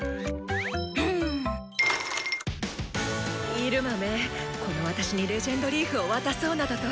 イルマめこの私に「レジェンドリーフ」を渡そうなどと！